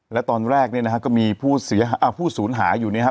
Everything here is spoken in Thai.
และตอนแรกเนี้ยนะครับก็มีผู้เสียอ่าผู้ศูนย์หาอยู่เนี้ยครับ